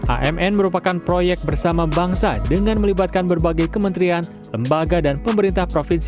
amn merupakan proyek bersama bangsa dengan melibatkan berbagai kementerian lembaga dan pemerintah provinsi